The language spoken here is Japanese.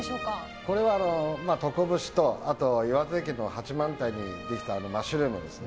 これは、とこぶしと岩手県の八幡平にできたマッシュルームですね。